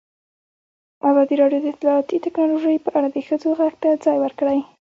ازادي راډیو د اطلاعاتی تکنالوژي په اړه د ښځو غږ ته ځای ورکړی.